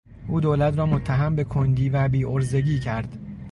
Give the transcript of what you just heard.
او دولت را متهم به کندی و بیعرضگی کرد.